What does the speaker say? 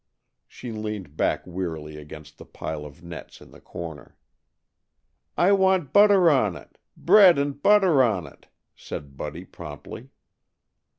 She leaned back wearily against the pile of nets in the corner. "I want butter on it. Bread, and butter on it," said Buddy promptly.